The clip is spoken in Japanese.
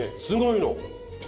すごいの。